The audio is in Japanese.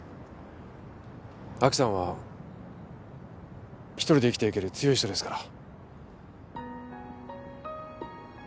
亜紀さんは一人で生きていける強い人ですから。